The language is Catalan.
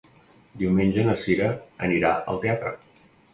Diumenge na Sira anirà al teatre.